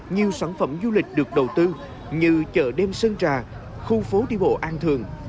nhiều sản phẩm du lịch được đầu tư như chợ đêm sơn trà khu phố đi bộ an thường